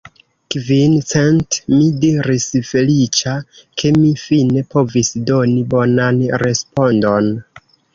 Kvin cent! mi diris, feliĉa, ke mi fine povis doni bonan respondon.